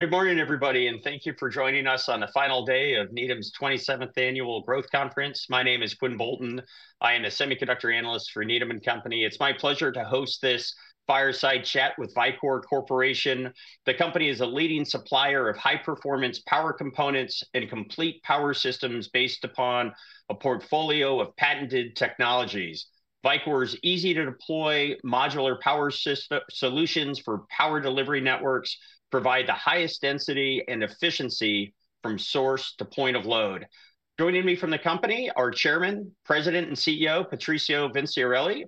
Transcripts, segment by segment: Good morning, everybody, and thank you for joining us on the final day of Needham's 27th Annual Growth Conference. My name is Quinn Bolton. I am a semiconductor analyst for Needham & Company. It's my pleasure to host this fireside chat with Vicor Corporation. The company is a leading supplier of high-performance power components and complete power systems based upon a portfolio of patented technologies. Vicor's easy-to-deploy modular power solutions for power delivery networks provide the highest density and efficiency from source to point of load. Joining me from the company are Chairman, President, and CEO Patrizio Vinciarelli,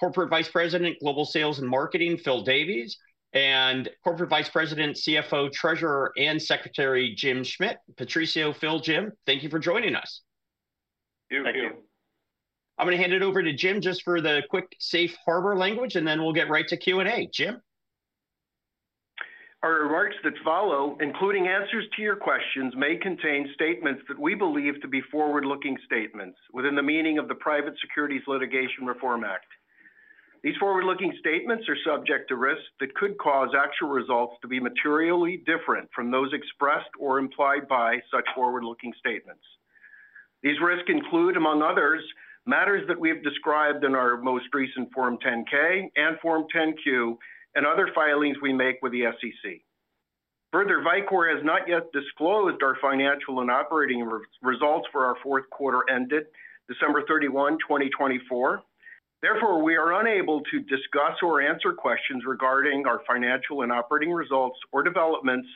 Corporate Vice President, Global Sales and Marketing Phil Davies, and Corporate Vice President, CFO, Treasurer, and Secretary Jim Schmidt. Patrizio, Phil, Jim, thank you for joining us. Thank you. I'm going to hand it over to Jim just for the quick safe harbor language, and then we'll get right to Q&A. Jim? Our remarks that follow, including answers to your questions, may contain statements that we believe to be forward-looking statements within the meaning of the Private Securities Litigation Reform Act. These forward-looking statements are subject to risks that could cause actual results to be materially different from those expressed or implied by such forward-looking statements. These risks include, among others, matters that we have described in our most recent Form 10-K and Form 10-Q, and other filings we make with the SEC. Further, Vicor has not yet disclosed our financial and operating results for our fourth quarter ended December 31, 2024. Therefore, we are unable to discuss or answer questions regarding our financial and operating results or developments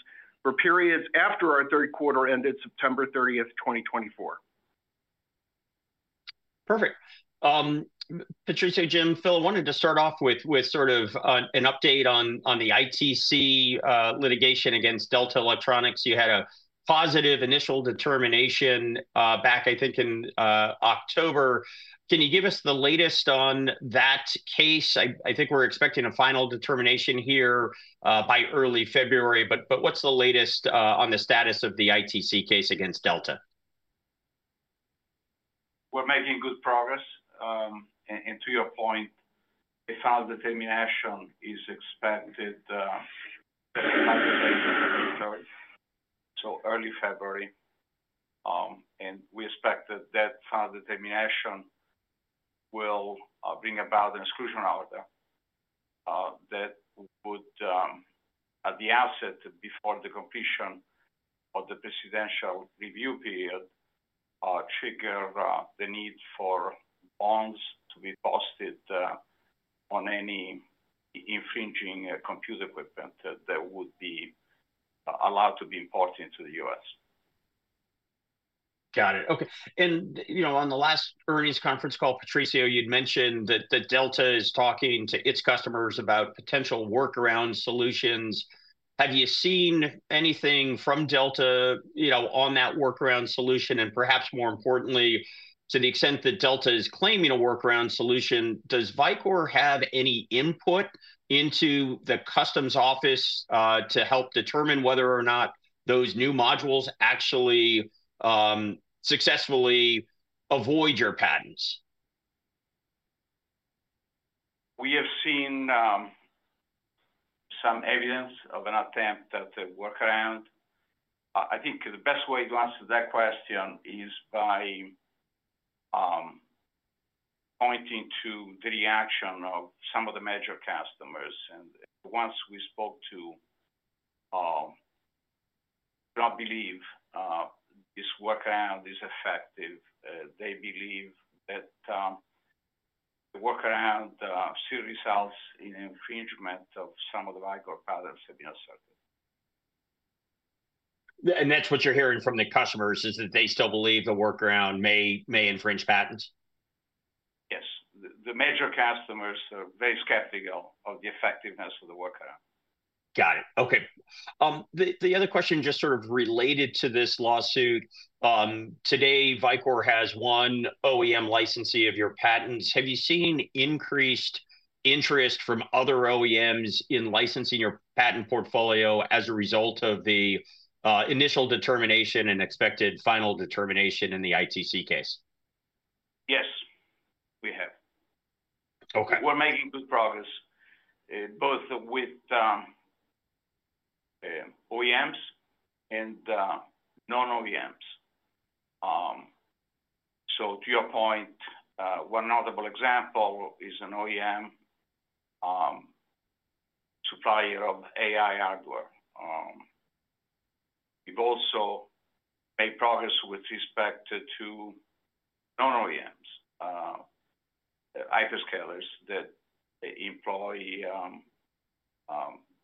for periods after our third quarter ended September 30, 2024. Perfect. Patrizio, Jim, Phil, I wanted to start off with sort of an update on the ITC litigation against Delta Electronics. You had a positive initial determination back, I think, in October. Can you give us the latest on that case? I think we're expecting a final determination here by early February. But what's the latest on the status of the ITC case against Delta? We're making good progress. To your point, a final determination is expected in early February. We expect that that final determination will bring about an exclusion order that would, at the outset before the completion of the presidential review period, trigger the need for bonds to be posted on any infringing computer equipment that would be allowed to be imported into the U.S. Got it. Okay. And on the last earnings conference call, Patrizio, you'd mentioned that Delta is talking to its customers about potential workaround solutions. Have you seen anything from Delta on that workaround solution? And perhaps more importantly, to the extent that Delta is claiming a workaround solution, does Vicor have any input into the customs office to help determine whether or not those new modules actually successfully avoid your patents? We have seen some evidence of an attempt at a workaround. I think the best way to answer that question is by pointing to the reaction of some of the major customers. And the ones we spoke to, I don't believe this workaround is effective. They believe that the workaround still results in infringement of some of the Vicor patents that have been asserted. That's what you're hearing from the customers, is that they still believe the workaround may infringe patents? Yes. The major customers are very skeptical of the effectiveness of the workaround. Got it. Okay. The other question just sort of related to this lawsuit. Today, Vicor has one OEM licensee of your patents. Have you seen increased interest from other OEMs in licensing your patent portfolio as a result of the initial determination and expected final determination in the ITC case? Yes, we have. Okay. We're making good progress both with OEMs and non-OEMs. So to your point, one notable example is an OEM supplier of AI hardware. We've also made progress with respect to non-OEMs, hyperscalers that employ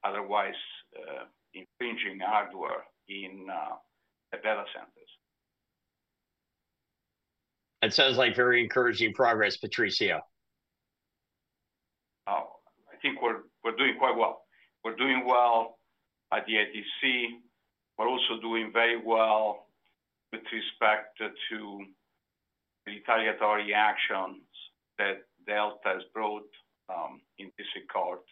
otherwise infringing hardware in data centers. That sounds like very encouraging progress, Patrizio. I think we're doing quite well. We're doing well at the ITC. We're also doing very well with respect to retaliatory actions that Delta has brought in this court.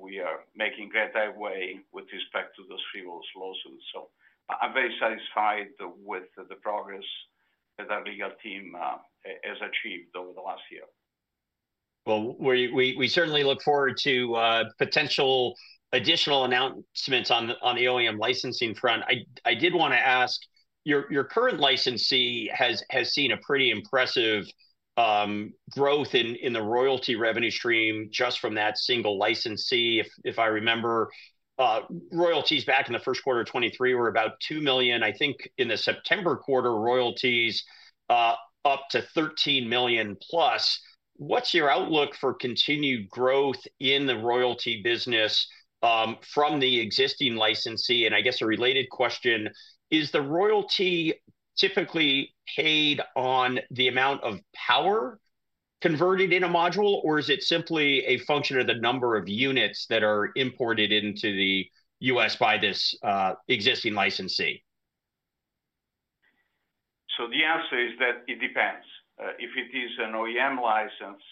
We are making great headway with respect to those three lawsuits. So I'm very satisfied with the progress that our legal team has achieved over the last year. Well, we certainly look forward to potential additional announcements on the OEM licensing front. I did want to ask, your current licensee has seen a pretty impressive growth in the royalty revenue stream just from that single licensee, if I remember. Royalties back in the first quarter of 2023 were about $2 million. I think in the September quarter, royalties up to $13 million plus. What's your outlook for continued growth in the royalty business from the existing licensee? And I guess a related question, is the royalty typically paid on the amount of power converted in a module, or is it simply a function of the number of units that are imported into the U.S. by this existing licensee? So the answer is that it depends. If it is an OEM license,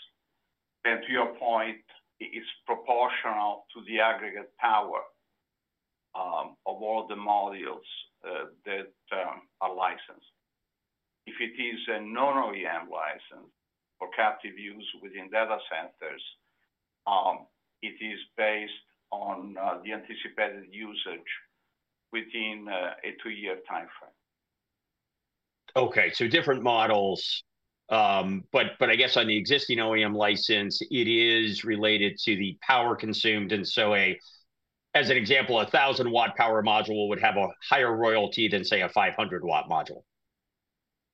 then to your point, it's proportional to the aggregate power of all the modules that are licensed. If it is a non-OEM license for captive use within data centers, it is based on the anticipated usage within a two-year timeframe. Okay, so different models, but I guess on the existing OEM license, it is related to the power consumed, and so as an example, a 1,000-watt power module would have a higher royalty than, say, a 500 watt module.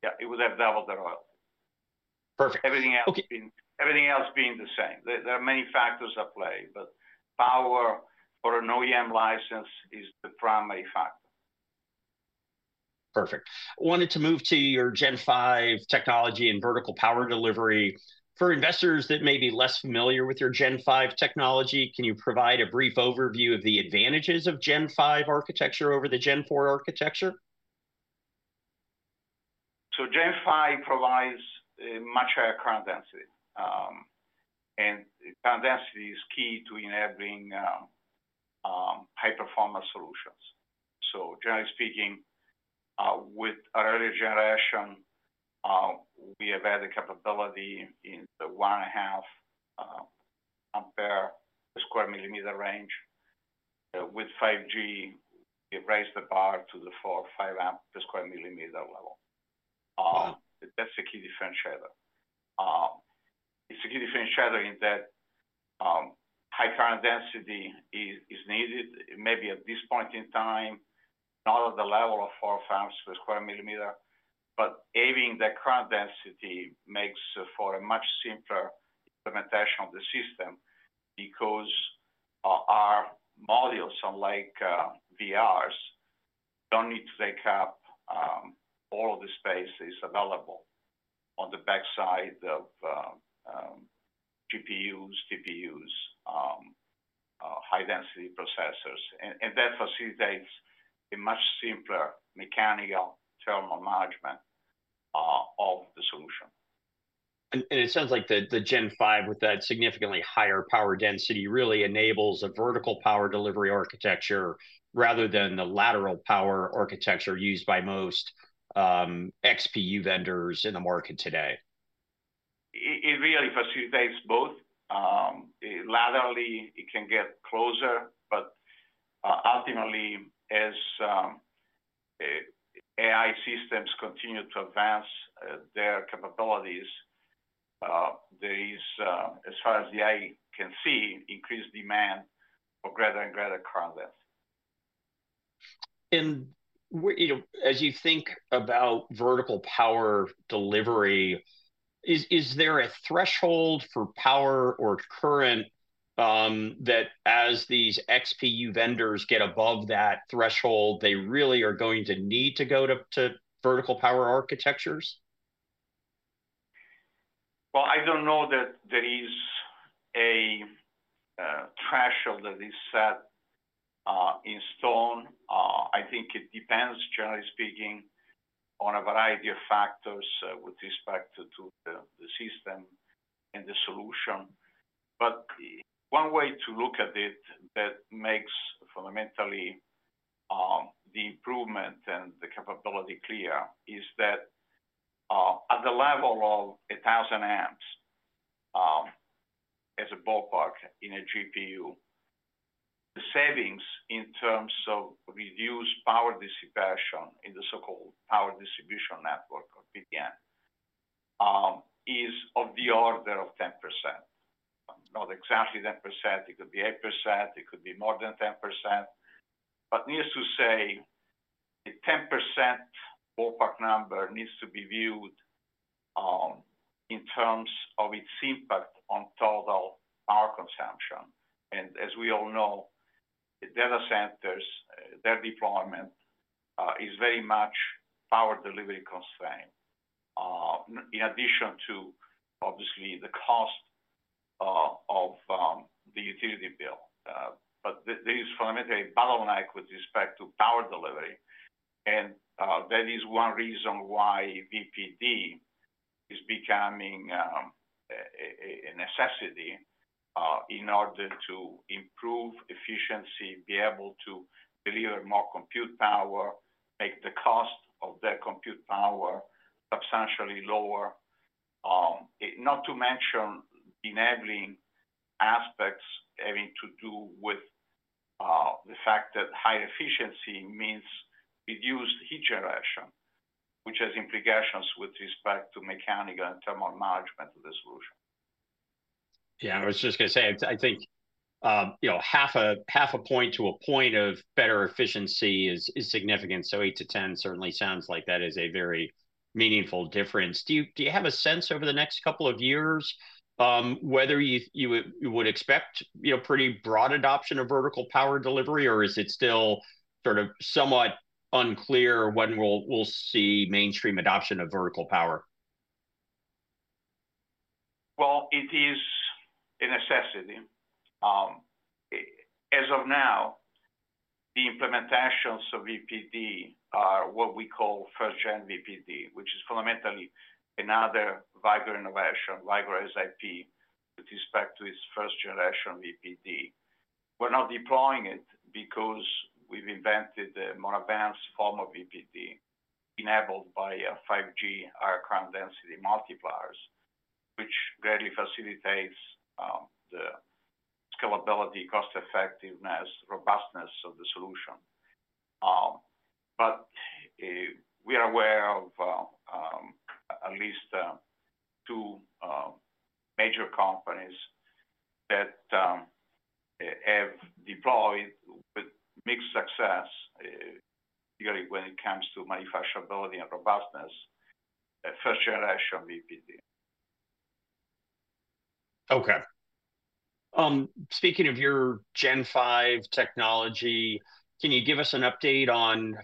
Yeah, it would have double the royalty. Perfect. Everything else being the same. There are many factors at play, but power for an OEM license is the primary factor. Perfect. I wanted to move to your Gen 5 technology and vertical power delivery. For investors that may be less familiar with your Gen 5 technology, can you provide a brief overview of the advantages of Gen 5 architecture over the Gen 4 architecture? So Gen 5 provides much higher current density. And current density is key to enabling high-performance solutions. So generally speaking, with our earlier generation, we have added capability in the 1.5 ampere per square millimeter range. With Gen 5, we've raised the bar to the 4.5 ampere per square millimeter level. That's a key differentiator. It's a key differentiator in that high current density is needed, maybe at this point in time, not at the level of 4.5 ampere per square millimeter. But having that current density makes for a much simpler implementation of the system because our modules, unlike VRs, don't need to take up all of the space that is available on the backside of GPUs, TPUs, high-density processors. And that facilitates a much simpler mechanical thermal management of the solution. It sounds like the Gen 5 with that significantly higher power density really enables a vertical power delivery architecture rather than the lateral power architecture used by most XPU vendors in the market today. It really facilitates both. Laterally, it can get closer. But ultimately, as AI systems continue to advance their capabilities, there is, as far as the eye can see, increased demand for greater and greater current density. As you think about vertical power delivery, is there a threshold for power or current that as these XPU vendors get above that threshold, they really are going to need to go to vertical power architectures? I don't know that there is a threshold that is set in stone. I think it depends, generally speaking, on a variety of factors with respect to the system and the solution. But one way to look at it that makes fundamentally the improvement and the capability clear is that at the level of 1,000 amps, as a ballpark in a GPU, the savings in terms of reduced power dissipation in the so-called power distribution network, or PDN, is of the order of 10%. Not exactly 10%. It could be 8%. It could be more than 10%. But needless to say, the 10% ballpark number needs to be viewed in terms of its impact on total power consumption. As we all know, data centers, their deployment is very much power delivery constrained, in addition to, obviously, the cost of the utility bill. But there is fundamentally a bottleneck with respect to power delivery. And that is one reason why VPD is becoming a necessity in order to improve efficiency, be able to deliver more compute power, make the cost of that compute power substantially lower. Not to mention enabling aspects having to do with the fact that high efficiency means reduced heat generation, which has implications with respect to mechanical and thermal management of the solution. Yeah. I was just going to say, I think half a point to a point of better efficiency is significant. So eight to 10 certainly sounds like that is a very meaningful difference. Do you have a sense over the next couple of years whether you would expect pretty broad adoption of vertical power delivery, or is it still sort of somewhat unclear when we'll see mainstream adoption of vertical power? It is a necessity. As of now, the implementations of VPD are what we call first-gen VPD, which is fundamentally another Vicor innovation, Vicor SiP, with respect to its first-generation VPD. We're not deploying it because we've invented a more advanced form of VPD enabled by Gen 5 higher current density multipliers, which greatly facilitates the scalability, cost-effectiveness, robustness of the solution. But we are aware of at least two major companies that have deployed with mixed success, particularly when it comes to manufacturability and robustness, first-generation VPD. Okay. Speaking of your Gen 5 technology, can you give us an update on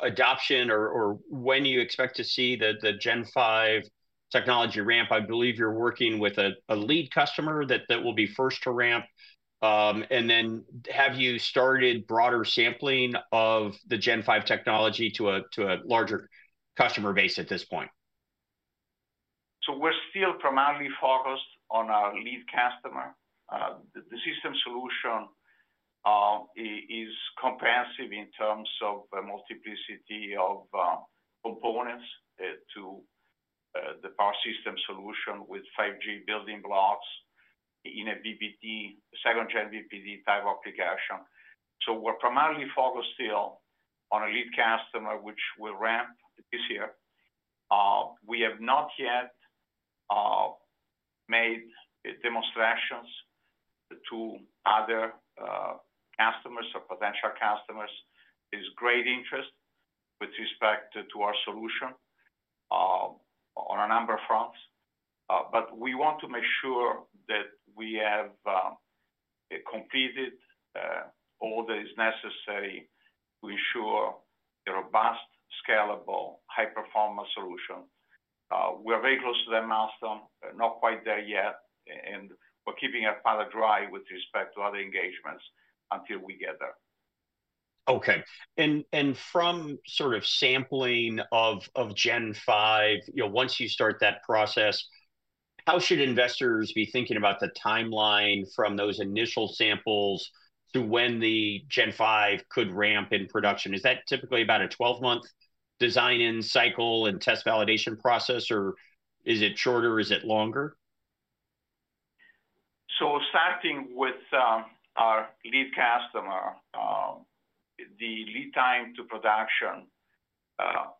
adoption or when you expect to see the Gen 5 technology ramp? I believe you're working with a lead customer that will be first to ramp. And then have you started broader sampling of the Gen 5 technology to a larger customer base at this point? So we're still primarily focused on our lead customer. The system solution is comprehensive in terms of multiplicity of components to the power system solution with 5G building blocks in a VPD, second-gen VPD type application. So we're primarily focused still on a lead customer, which will ramp this year. We have not yet made demonstrations to other customers or potential customers. There's great interest with respect to our solution on a number of fronts. But we want to make sure that we have completed all that is necessary to ensure a robust, scalable, high-performance solution. We're very close to that milestone. We're not quite there yet. And we're keeping our powder dry with respect to other engagements until we get there. Okay. And from sort of sampling of Gen 5, once you start that process, how should investors be thinking about the timeline from those initial samples to when the Gen 5 could ramp in production? Is that typically about a 12-month design-in cycle and test validation process, or is it shorter? Is it longer? Starting with our lead customer, the lead time to production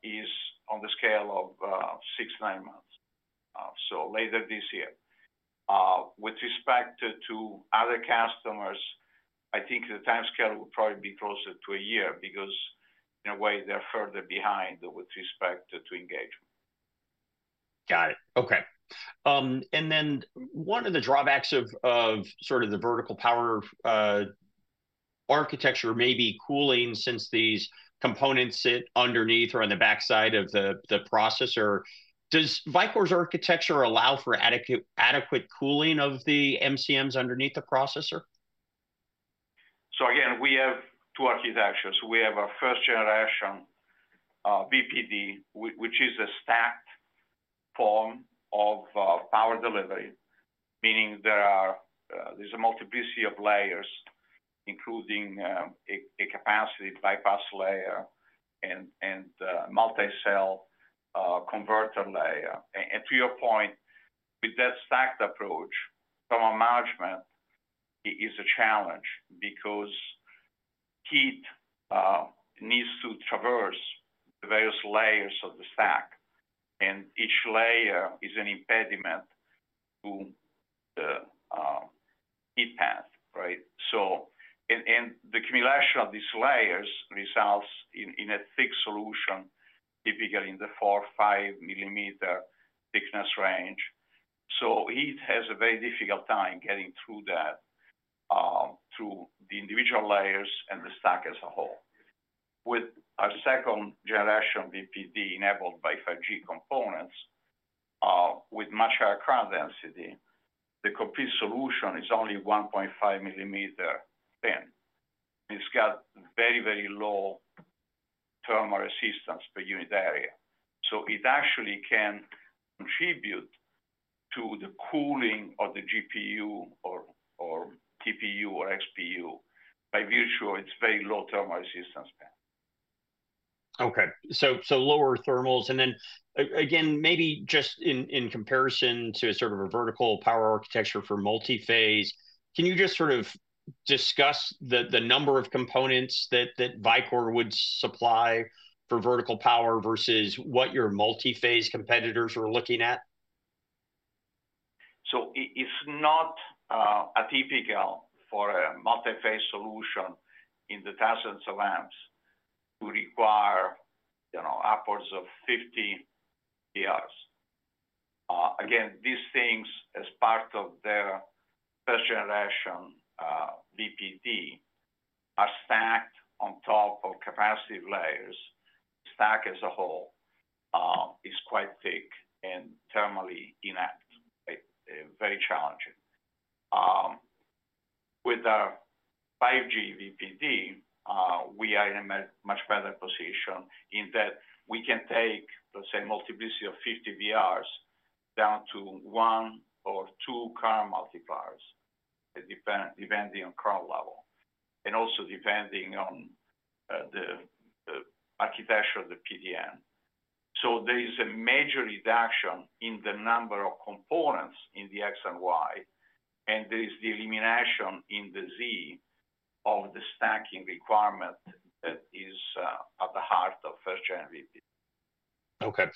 is on the scale of six to nine months, so later this year. With respect to other customers, I think the timescale will probably be closer to a year because, in a way, they're further behind with respect to engagement. Got it. Okay. And then one of the drawbacks of sort of the vertical power architecture, maybe cooling since these components sit underneath or on the backside of the processor, does Vicor's architecture allow for adequate cooling of the MCMs underneath the processor? So again, we have two architectures. We have our first-generation VPD, which is a stacked form of power delivery, meaning there's a multiplicity of layers, including a capacity bypass layer and multi-cell converter layer. And to your point, with that stacked approach, thermal management is a challenge because heat needs to traverse the various layers of the stack. And each layer is an impediment to the heat path, right? And the accumulation of these layers results in a thick solution, typically in the 4-5 millimeter thickness range. So heat has a very difficult time getting through that, through the individual layers and the stack as a whole. With our second-generation VPD enabled by Gen 5 components, with much higher current density, the complete solution is only 1.5 millimeter thin. It's got very, very low thermal resistance per unit area. So it actually can contribute to the cooling of the GPU or TPU or XPU by virtue of its very low thermal resistance. Okay. So, lower thermals, and then again, maybe just in comparison to sort of a vertical power architecture for multi-phase, can you just sort of discuss the number of components that Vicor would supply for vertical power versus what your multi-phase competitors are looking at? So it's not atypical for a multi-phase solution in the thousands of amps to require upwards of 50 VRs. Again, these things, as part of their first-generation VPD, are stacked on top of capacitor layers. The stack as a whole is quite thick and thermally inefficient, very challenging. With our Gen 5 VPD, we are in a much better position in that we can take, let's say, a multiplicity of 50 VRs down to one or two current multipliers, depending on current level and also depending on the architecture of the PDN. So there is a major reduction in the number of components in the X and Y. And there is the elimination in the Z of the stacking requirement that is at the heart of first-gen VPD. Okay.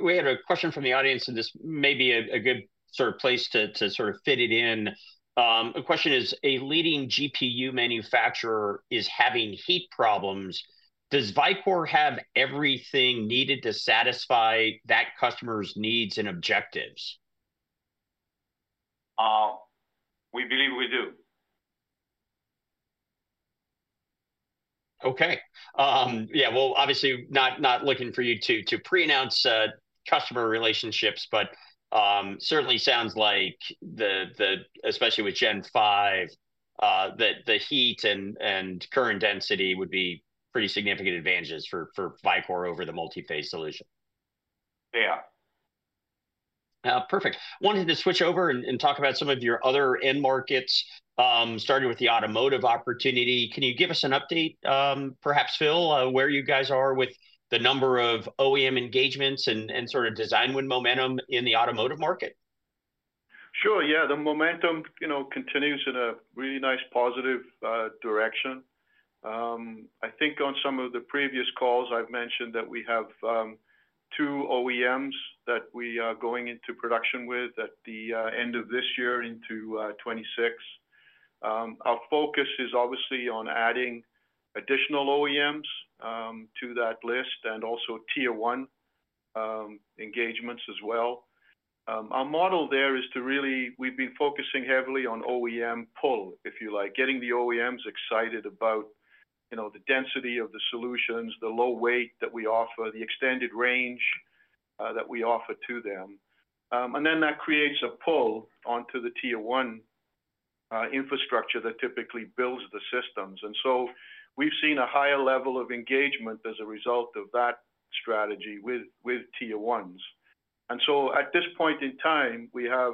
We had a question from the audience, and this may be a good sort of place to sort of fit it in. The question is, a leading GPU manufacturer is having heat problems. Does Vicor have everything needed to satisfy that customer's needs and objectives? We believe we do. Okay. Yeah. Well, obviously, not looking for you to pre-announce customer relationships, but certainly sounds like, especially with Gen 5, that the heat and current density would be pretty significant advantages for Vicor over the multi-phase solution. Yeah. Perfect. Wanted to switch over and talk about some of your other end markets, starting with the automotive opportunity. Can you give us an update, perhaps, Phil, where you guys are with the number of OEM engagements and sort of design win momentum in the automotive market? Sure. Yeah. The momentum continues in a really nice positive direction. I think on some of the previous calls, I've mentioned that we have two OEMs that we are going into production with at the end of this year into 2026. Our focus is obviously on adding additional OEMs to that list and also Tier 1 engagements as well. Our model there is to really we've been focusing heavily on OEM pull, if you like, getting the OEMs excited about the density of the solutions, the low weight that we offer, the extended range that we offer to them. And then that creates a pull onto the Tier 1 infrastructure that typically builds the systems. And so we've seen a higher level of engagement as a result of that strategy with Tier 1s. And so at this point in time, we have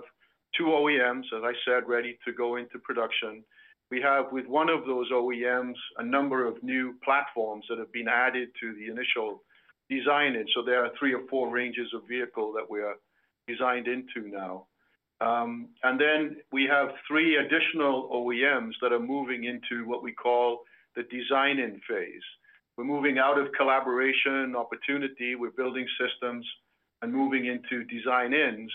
two OEMs, as I said, ready to go into production. We have, with one of those OEMs, a number of new platforms that have been added to the initial design-in. So there are three or four ranges of vehicles that we are designed into now. And then we have three additional OEMs that are moving into what we call the design-in phase. We're moving out of collaboration opportunity with building systems and moving into design-ins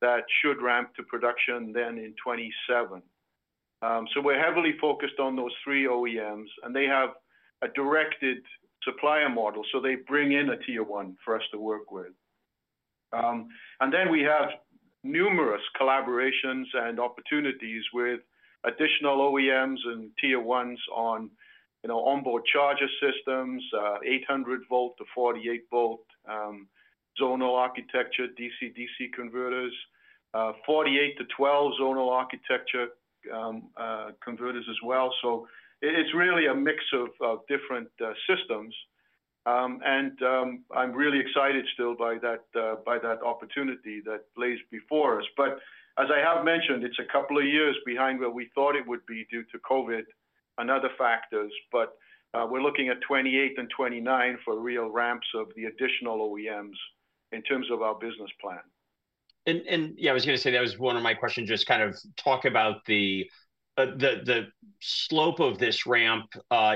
that should ramp to production then in 2027. So we're heavily focused on those three OEMs, and they have a directed supplier model. So they bring in a Tier 1 for us to work with. Then we have numerous collaborations and opportunities with additional OEMs and Tier 1s on onboard charger systems, 800-volt to 48-volt zonal architecture, DC-DC converters, 48- to 12-volt zonal architecture converters as well. So it's really a mix of different systems. And I'm really excited still by that opportunity that lies before us. But as I have mentioned, it's a couple of years behind where we thought it would be due to COVID and other factors. But we're looking at 2028 and 2029 for real ramps of the additional OEMs in terms of our business plan. And yeah, I was going to say that was one of my questions, just kind of talk about the slope of this ramp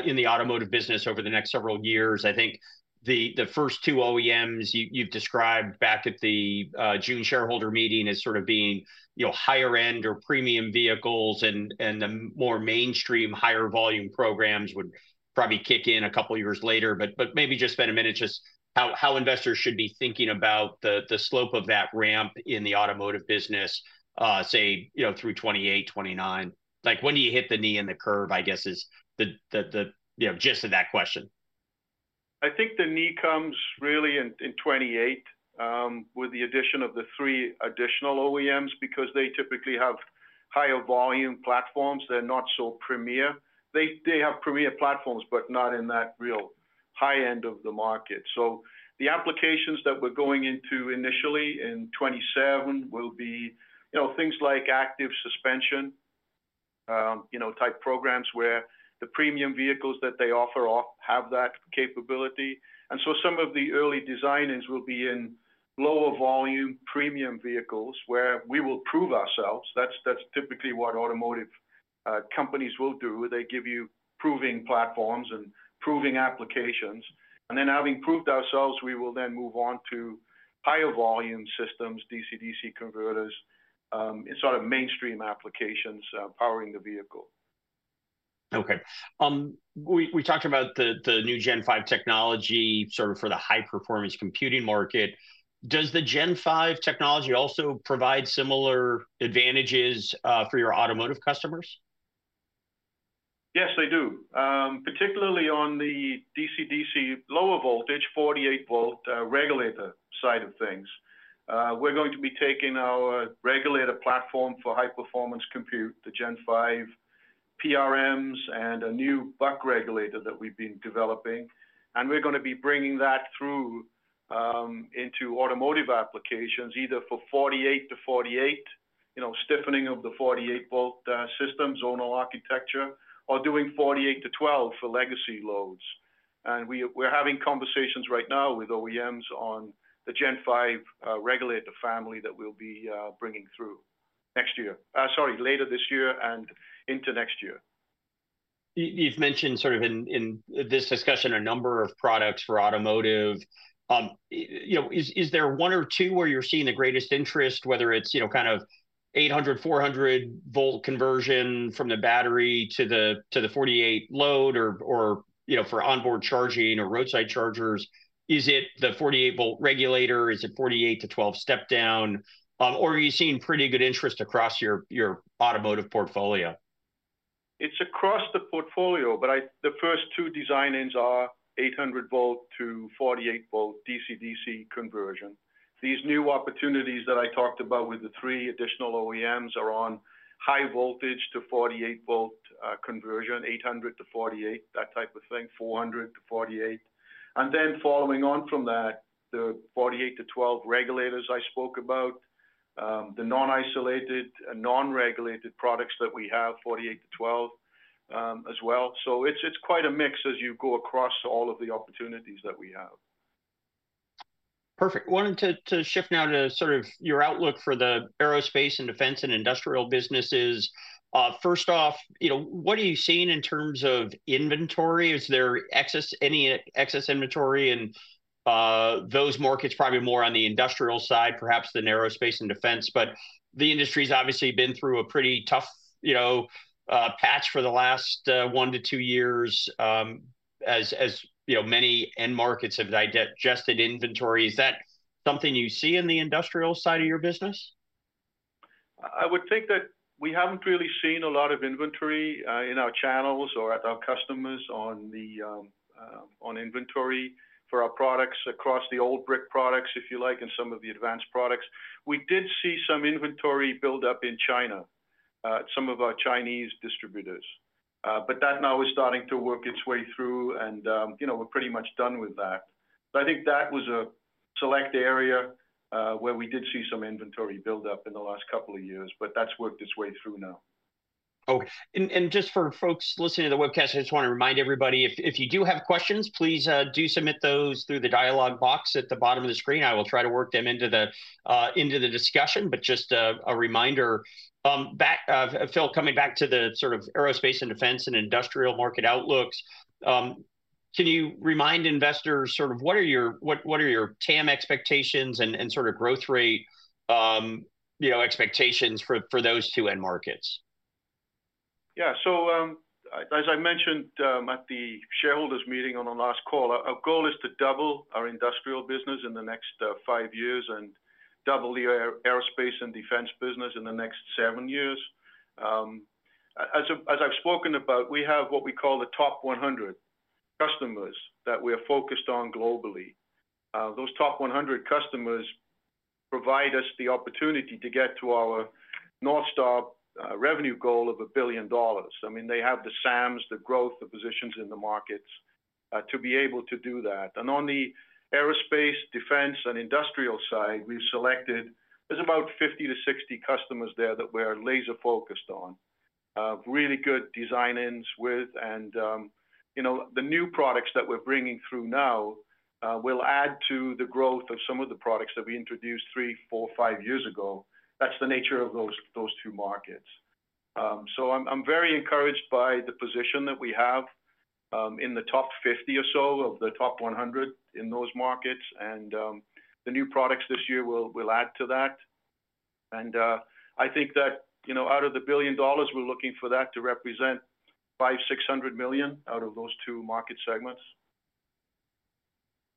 in the automotive business over the next several years. I think the first two OEMs you've described back at the June shareholder meeting as sort of being higher-end or premium vehicles, and the more mainstream, higher volume programs would probably kick in a couple of years later. But maybe just spend a minute, just how investors should be thinking about the slope of that ramp in the automotive business, say, through 2028, 2029. When do you hit the knee in the curve, I guess, is the gist of that question? I think the knee comes really in 2028 with the addition of the three additional OEMs because they typically have higher volume platforms. They're not so premium. They have premium platforms, but not in that real high end of the market. So the applications that we're going into initially in 2027 will be things like active suspension type programs where the premium vehicles that they offer have that capability. And so some of the early designs will be in lower volume premium vehicles where we will prove ourselves. That's typically what automotive companies will do. They give you proving platforms and proving applications. And then having proved ourselves, we will then move on to higher volume systems, DC-DC converters, and sort of mainstream applications powering the vehicle. Okay. We talked about the new Gen 5 technology sort of for the high-performance computing market. Does the Gen 5 technology also provide similar advantages for your automotive customers? Yes, they do. Particularly on the DC-DC lower voltage, 48 volt regulator side of things. We're going to be taking our regulator platform for high-performance compute, the Gen 5 PRMs and a new buck regulator that we've been developing. And we're going to be bringing that through into automotive applications, either for 48 to 48, stiffening of the 48 volt systems, zonal architecture, or doing 48 to 12 for legacy loads. And we're having conversations right now with OEMs on the Gen 5 regulator family that we'll be bringing through next year, sorry, later this year and into next year. You've mentioned sort of in this discussion a number of products for automotive. Is there one or two where you're seeing the greatest interest, whether it's kind of 800, 400 volt conversion from the battery to the 48 load or for onboard charging or roadside chargers? Is it the 48 volt regulator? Is it 48 to 12 step down? Or are you seeing pretty good interest across your automotive portfolio? It's across the portfolio, but the first two design-ins are 800 volt to 48 volt DC-DC conversion. These new opportunities that I talked about with the three additional OEMs are on high voltage to 48 volt conversion, 800 to 48, that type of thing, 400 to 48. And then following on from that, the 48 to 12 regulators I spoke about, the non-isolated and non-regulated products that we have, 48 to 12 as well. So it's quite a mix as you go across all of the opportunities that we have. Perfect. Wanted to shift now to sort of your outlook for the aerospace and defense and industrial businesses. First off, what are you seeing in terms of inventory? Is there any excess inventory in those markets, probably more on the industrial side, perhaps than aerospace and defense? But the industry's obviously been through a pretty tough patch for the last one to two years, as many end markets have digested inventory. Is that something you see in the industrial side of your business? I would think that we haven't really seen a lot of inventory in our channels or at our customers on inventory for our products across the old brick products, if you like, and some of the advanced products. We did see some inventory buildup in China, some of our Chinese distributors, but that now is starting to work its way through, and we're pretty much done with that, but I think that was a select area where we did see some inventory buildup in the last couple of years, but that's worked its way through now. Okay. And just for folks listening to the webcast, I just want to remind everybody, if you do have questions, please do submit those through the dialog box at the bottom of the screen. I will try to work them into the discussion, but just a reminder. Phil, coming back to the sort of aerospace and defense and industrial market outlooks, can you remind investors sort of what are your TAM expectations and sort of growth rate expectations for those two end markets? Yeah. So as I mentioned at the shareholders meeting on the last call, our goal is to double our industrial business in the next five years and double the aerospace and defense business in the next seven years. As I've spoken about, we have what we call the top 100 customers that we are focused on globally. Those top 100 customers provide us the opportunity to get to our North Star revenue goal of $1 billion. I mean, they have the SAMs, the growth, the positions in the markets to be able to do that. And on the aerospace, defense, and industrial side, we've selected there's about 50 to 60 customers there that we're laser-focused on, really good design-ins with. And the new products that we're bringing through now will add to the growth of some of the products that we introduced three, four, five years ago. That's the nature of those two markets. So I'm very encouraged by the position that we have in the top 50 or so of the top 100 in those markets. And the new products this year will add to that. And I think that out of the $1 billion, we're looking for that to represent $500 million-$600 million out of those two market segments.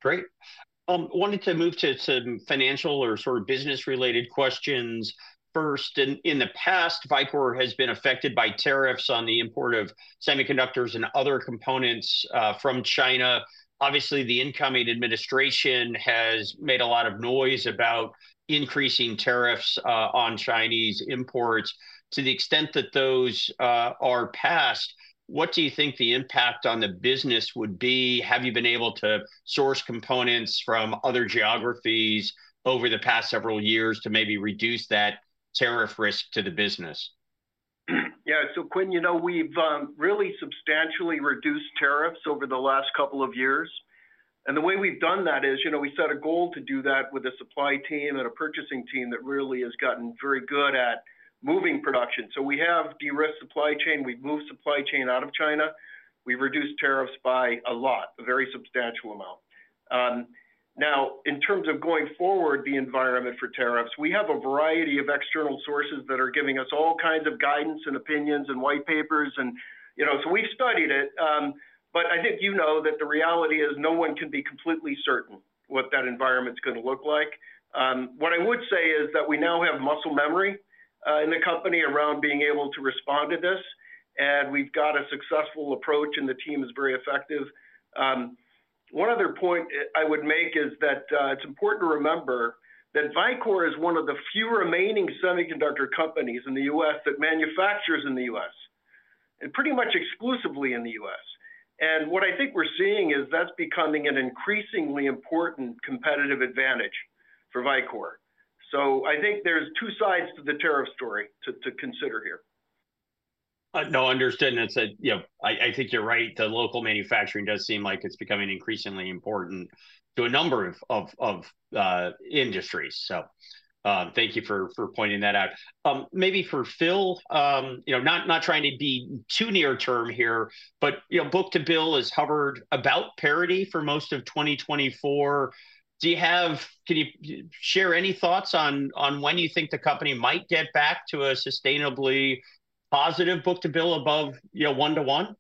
Great. Wanted to move to some financial or sort of business-related questions. First, in the past, Vicor has been affected by tariffs on the import of semiconductors and other components from China. Obviously, the incoming administration has made a lot of noise about increasing tariffs on Chinese imports. To the extent that those are passed, what do you think the impact on the business would be? Have you been able to source components from other geographies over the past several years to maybe reduce that tariff risk to the business? Yeah. So, Quinn, we've really substantially reduced tariffs over the last couple of years. And the way we've done that is we set a goal to do that with a supply team and a purchasing team that really has gotten very good at moving production. So we have de-risked supply chain. We've moved supply chain out of China. We've reduced tariffs by a lot, a very substantial amount. Now, in terms of going forward, the environment for tariffs, we have a variety of external sources that are giving us all kinds of guidance and opinions and white papers. And so we've studied it. But I think you know that the reality is no one can be completely certain what that environment's going to look like. What I would say is that we now have muscle memory in the company around being able to respond to this. And we've got a successful approach, and the team is very effective. One other point I would make is that it's important to remember that Vicor is one of the few remaining semiconductor companies in the U.S. that manufactures in the U.S., and pretty much exclusively in the U.S. And what I think we're seeing is that's becoming an increasingly important competitive advantage for Vicor. So I think there's two sides to the tariff story to consider here. No, I understand. I think you're right. The local manufacturing does seem like it's becoming increasingly important to a number of industries. So thank you for pointing that out. Maybe for Phil, not trying to be too near-term here, but book-to-bill is hovered about parity for most of 2024. Can you share any thoughts on when you think the company might get back to a sustainably positive book-to-bill above one-to-one?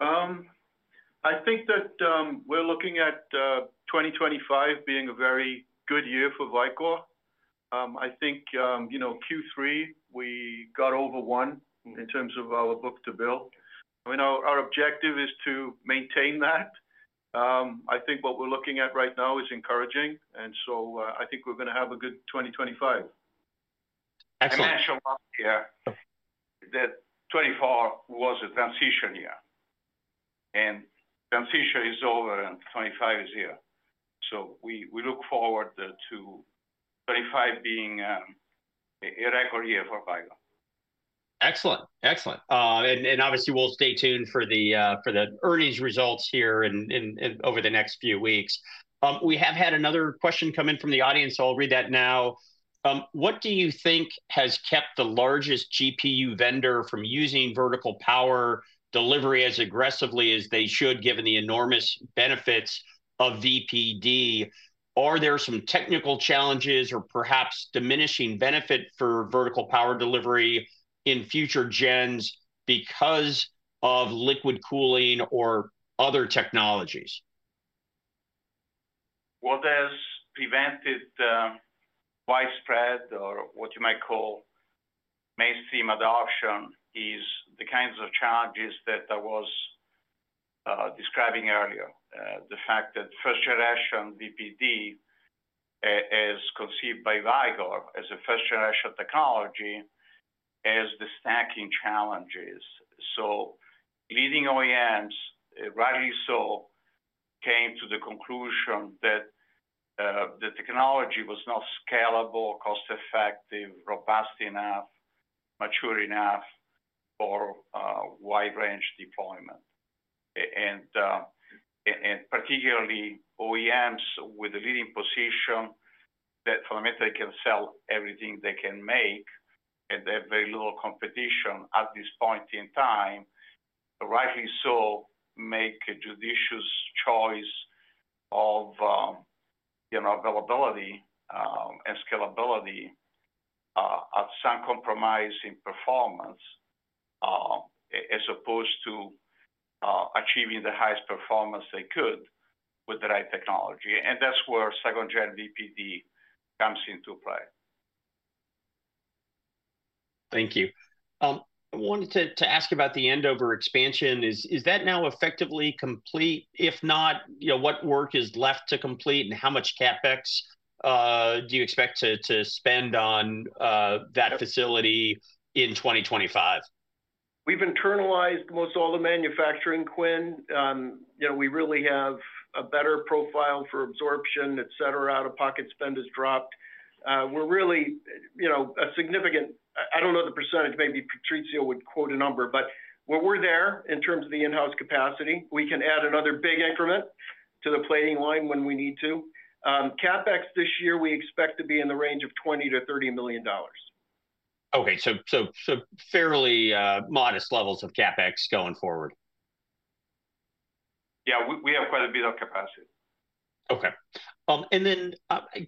I think that we're looking at 2025 being a very good year for Vicor. I think Q3, we got over one in terms of our Book-to-Bill. I mean, our objective is to maintain that. I think what we're looking at right now is encouraging. And so I think we're going to have a good 2025. Excellent. Fiscal year, that 2024, was a transition year and transition is over, and 2025 is here, so we look forward to 2025 being a record year for Vicor. Excellent. Excellent. And obviously, we'll stay tuned for the earnings results here over the next few weeks. We have had another question come in from the audience. I'll read that now. What do you think has kept the largest GPU vendor from using vertical power delivery as aggressively as they should, given the enormous benefits of VPD? Are there some technical challenges or perhaps diminishing benefit for vertical power delivery in future gens because of liquid cooling or other technologies? What has prevented widespread or what you might call mainstream adoption is the kinds of challenges that I was describing earlier. The fact that first-generation VPD, as conceived by Vicor as a first-generation technology, has the stacking challenges. So leading OEMs, rightly so, came to the conclusion that the technology was not scalable, cost-effective, robust enough, mature enough for wide-range deployment. And particularly OEMs with a leading position that fundamentally can sell everything they can make and have very little competition at this point in time, rightly so, make a judicious choice of availability and scalability at some compromise in performance as opposed to achieving the highest performance they could with the right technology. And that's where second-gen VPD comes into play. Thank you. I wanted to ask about the Andover expansion. Is that now effectively complete? If not, what work is left to complete, and how much CapEx do you expect to spend on that facility in 2025? We've internalized most all the manufacturing, Quinn. We really have a better profile for absorption, etc. Out-of-pocket spend has dropped. We're really a significant. I don't know the percentage. Maybe Patrizio would quote a number. But we're there in terms of the in-house capacity. We can add another big increment to the plating line when we need to. CapEx this year, we expect to be in the range of $20million-$30 million. Okay, so fairly modest levels of CapEx going forward. Yeah. We have quite a bit of capacity. Okay. And then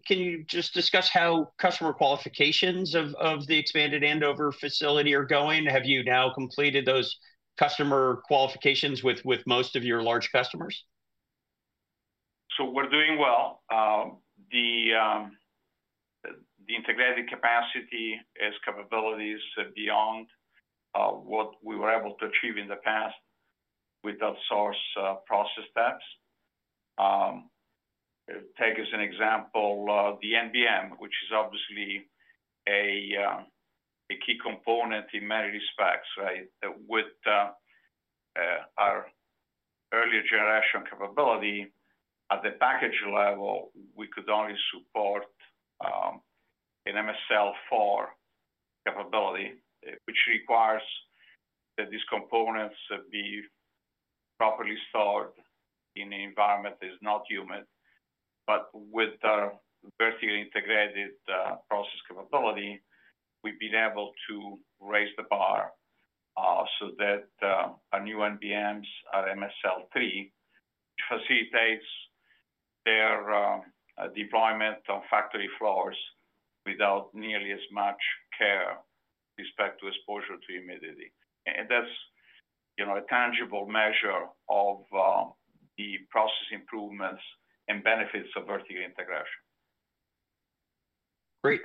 can you just discuss how customer qualifications of the expanded Andover facility are going? Have you now completed those customer qualifications with most of your large customers? So we're doing well. The integrated capacity has capabilities beyond what we were able to achieve in the past with outsource process steps. Take as an example the NBM, which is obviously a key component in many respects, right? With our earlier generation capability, at the package level, we could only support an MSL4 capability, which requires that these components be properly stored in an environment that is not humid. But with our vertically integrated process capability, we've been able to raise the bar so that our new NBMs are MSL3, which facilitates their deployment on factory floors without nearly as much care with respect to exposure to humidity. And that's a tangible measure of the process improvements and benefits of vertical integration. Great.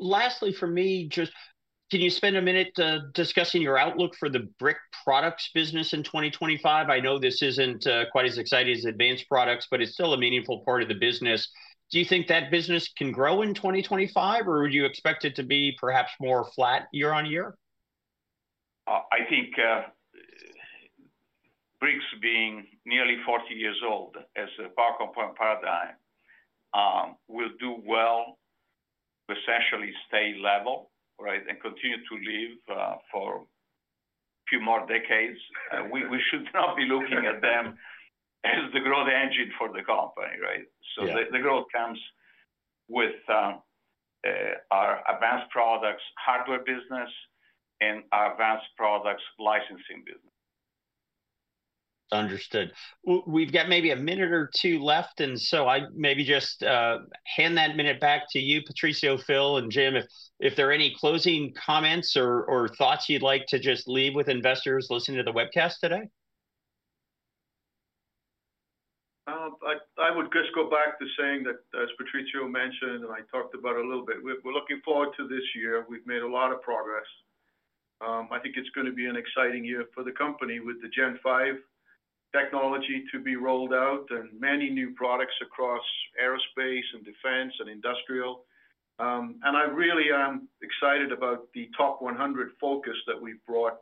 Lastly, for me, just can you spend a minute discussing your outlook for the brick products business in 2025? I know this isn't quite as exciting as advanced products, but it's still a meaningful part of the business. Do you think that business can grow in 2025, or would you expect it to be perhaps more flat year on year? I think bricks, being nearly 40 years old as a power component paradigm, will do well, essentially stay level, right, and continue to live for a few more decades. We should not be looking at them as the growth engine for the company, right? So the growth comes with our advanced products hardware business and our advanced products licensing business. Understood. We've got maybe a minute or two left. And so I maybe just hand that minute back to you, Patrizio, Phil, and Jim. If there are any closing comments or thoughts you'd like to just leave with investors listening to the webcast today? I would just go back to saying that, as Patrizio mentioned, and I talked about a little bit, we're looking forward to this year. We've made a lot of progress. I think it's going to be an exciting year for the company with the Gen 5 technology to be rolled out and many new products across aerospace and defense and industrial, and I really am excited about the top 100 focus that we've brought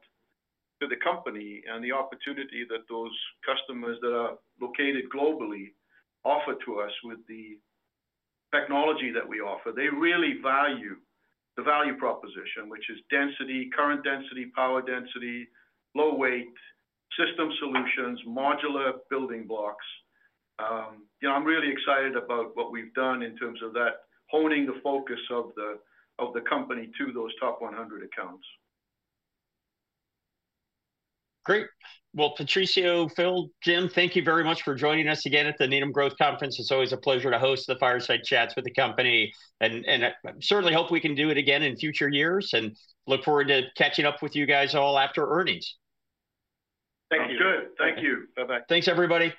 to the company and the opportunity that those customers that are located globally offer to us with the technology that we offer. They really value the value proposition, which is density, current density, power density, low-weight system solutions, modular building blocks. I'm really excited about what we've done in terms of that, honing the focus of the company to those top 100 accounts. Great. Well, Patrizio, Phil, Jim, thank you very much for joining us again at the Needham Growth Conference. It's always a pleasure to host the Fireside Chats with the company. And certainly hope we can do it again in future years. And look forward to catching up with you guys all after earnings. Thank you. Sounds good. Thank you. Bye-bye. Thanks, everybody.